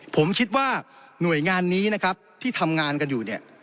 ผมคิดว่าหน่วยงานนี้นะครับที่ทำงานกันอยู่เนี่ย